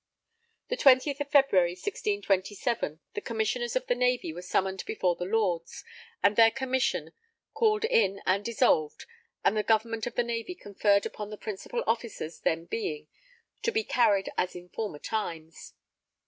The 20th of February, 1627, the Commissioners of the Navy were summoned before the Lords, and their commission called in and dissolved, and the government of the Navy conferred upon the Principal Officers then being, to be carried as in former times.